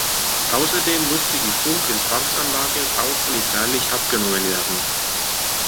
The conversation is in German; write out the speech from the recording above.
Außerdem musste die Funk-Empfangsanlage baupolizeilich abgenommen werden.